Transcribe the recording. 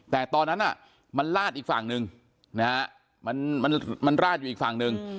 แต่ตอนนั้นน่ะมันลาดอีกฝั่งนึงมันลาดอยู่อีกฝั่งนึง